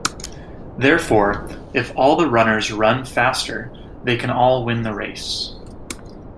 Therefore, if all the runners run faster, they can all win the race.